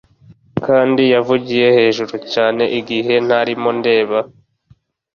Kandi yavugiye hejuru cyane igihe ntarimo ndeba